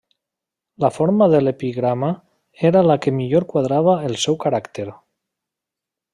La forma de l'epigrama era la que millor quadrava al seu caràcter.